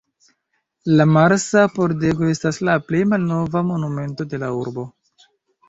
La Marsa Pordego estas la plej malnova monumento de la urbo.